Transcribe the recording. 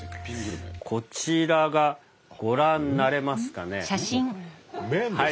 こちらがご覧になれますかね。何？